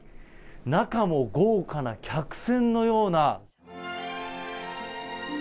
中も豪華な客船のような。